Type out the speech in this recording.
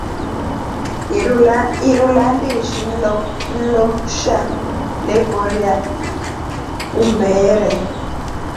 Iru landishi nloksha lekorya umbeere.